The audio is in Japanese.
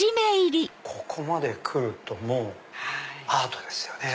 ここまでくるともうアートですよね。